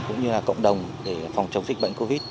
cũng như là cộng đồng để phòng chống dịch bệnh covid